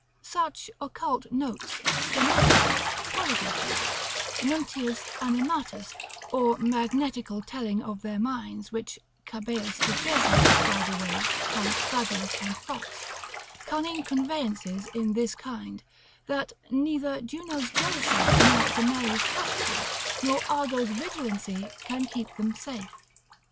Such occult notes, stenography, polygraphy, Nuntius animatus, or magnetical telling of their minds, which Cabeus the Jesuit, by the way, counts fabulous and false; cunning conveyances in this kind, that neither Juno's jealousy, nor Danae's custody, nor Argo's vigilancy can keep them safe.